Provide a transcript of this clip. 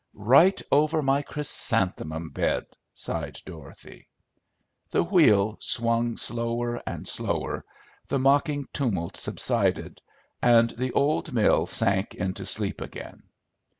"Right over my chrysanthemum bed," sighed Dorothy. The wheel swung slower and slower, the mocking tumult subsided, and the old mill sank into sleep again.